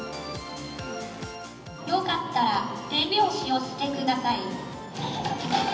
よかったら手拍子をしてください。